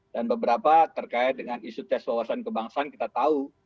dan beberapa terkait dengan isu tes wawasan kebangsaan kita tahu